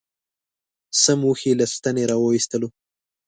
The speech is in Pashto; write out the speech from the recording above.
سم اوښ یې له ستنې را و ایستلو.